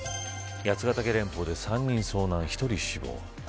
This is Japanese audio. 八ケ岳連峰で３人遭難１人死亡。